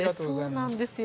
そうなんですよ。